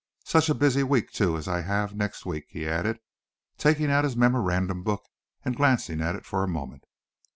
Such a busy week, too, as I have next week," he added, taking out his memorandum book and glancing at it for a moment.